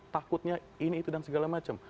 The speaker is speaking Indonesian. takutnya ini itu dan segala macam